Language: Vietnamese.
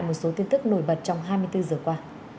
một số tin tức nổi bật trong hai mươi bốn giờ qua